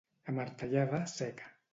A martellada seca.